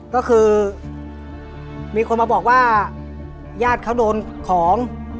ก็คือมีคนมาบอกว่าญาติเขาโดนของ